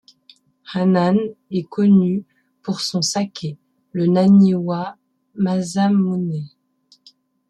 Hannan est connue pour son saké, le Naniwa-masamune.